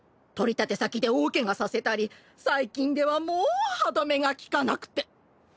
取り立て先で大ケガさせたり最近ではもう歯止めがきかなくて。